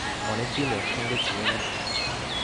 অনেকদিন একসঙ্গে ছিলে নাকি?